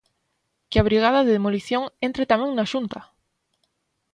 Que a brigada de demolición entre tamén na Xunta!